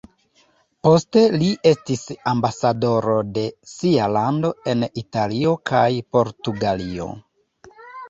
Poste li estis ambasadoro de sia lando en Italio kaj Portugalio.